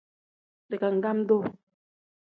Digangam-duu.